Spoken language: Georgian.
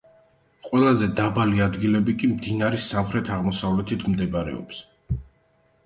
ყველაზე დაბალი ადგილები კი მდინარის სამხრეთ-აღმოსავლეთით მდებარეობს.